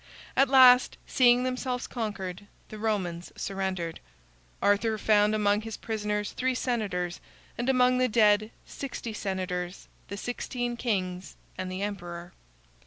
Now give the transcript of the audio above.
At last, seeing themselves conquered, the Romans surrendered. Arthur found among his prisoners three senators, and among the dead, sixty senators, the sixteen kings, and the emperor.